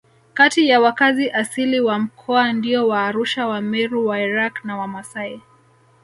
Kati ya wakazi asili wa mkoa ndio Waarusha Wameru Wairaqw na Wamasai